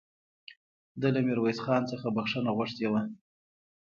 ده له ميرويس خان څخه بخښنه غوښتې وه